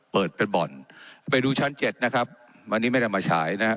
เปิดเป็นบ่อนไปดูชั้นเจ็ดนะครับวันนี้ไม่ได้มาฉายนะครับ